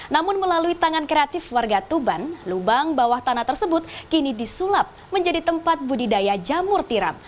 namun melalui tangan kreatif warga tuban lubang bawah tanah tersebut kini disulap menjadi tempat budidaya jamur tiram